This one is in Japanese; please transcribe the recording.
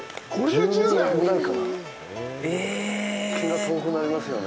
気が遠くなりますよね。